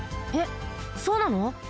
えっそうなの？